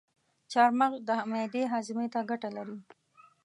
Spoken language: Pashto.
چارمغز د معدې هاضمي ته ګټه لري.